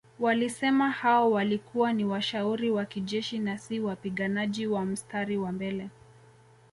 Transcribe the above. Walisema hao walikuwa ni washauri wa kijeshi na si wapiganaji wa mstari wa mbele